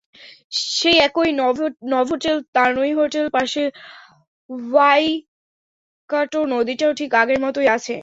সেই একই Novotel তানুই hotel, পাশে ওয়াইকাটো নদীটাও ঠিক আগের মতোই আছে।